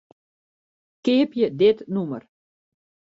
Keapje dit nûmer.